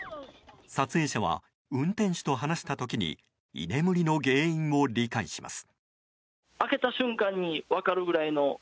撮影者は、運転手と話した時に居眠りの原因を理解します。